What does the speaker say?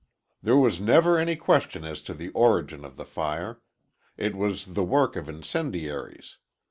There was never any question as to the origin of the fire. It was the work of incendiaries.